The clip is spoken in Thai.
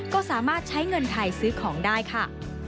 ก็สามารถใช้เงินไทยซื้อของได้ค่ะ